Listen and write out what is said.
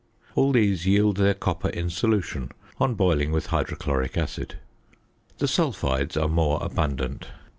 All these yield their copper in solution on boiling with hydrochloric acid. The sulphides are more abundant.